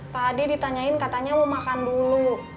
tadi ditanyain katanya mau makan dulu